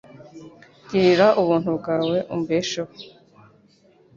Girira ubuntu bwawe umbesheho